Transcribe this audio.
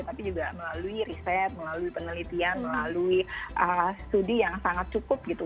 tapi juga melalui riset melalui penelitian melalui studi yang sangat cukup gitu